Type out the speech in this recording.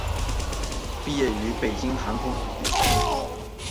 毕业于北京航空航天大学。